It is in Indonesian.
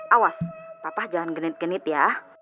awas papa jangan genit genit ya